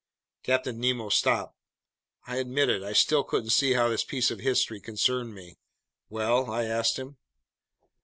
Captain Nemo stopped. I admit it: I still couldn't see how this piece of history concerned me. "Well?" I asked him.